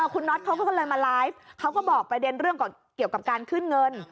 คุณน็อตเขาก็เลยมาไลฟ์เขาก็บอกประเด็นเรื่องเกี่ยวกับการขึ้นเงิน